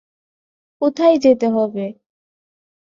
কোথায় যেতে হবে?